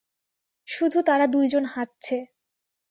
শুধু তারা দুই জন হাঁটছে।